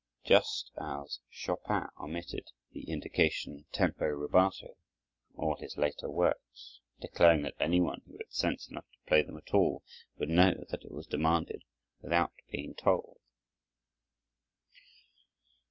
Just as Chopin omitted the indication "tempo rubato" from all his later works, declaring that any one who had sense enough to play them at all would know that it was demanded without being told.